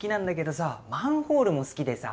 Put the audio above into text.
マンホールも好きでさ。